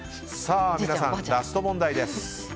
皆さん、ラスト問題です。